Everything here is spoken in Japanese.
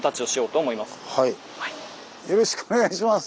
よろしくお願いします！